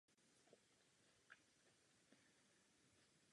Ke konci války se vzdala britským jednotkám poblíž města Klagenfurt v Rakousku.